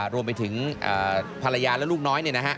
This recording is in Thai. รวมไปถึงภรรยาและลูกน้อย